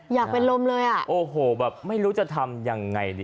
อยากเป็นลมเลยอ่ะโอ้โหแบบไม่รู้จะทำยังไงดี